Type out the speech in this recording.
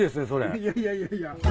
いやいやいやいや。